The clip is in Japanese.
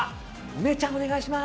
梅ちゃんお願いします。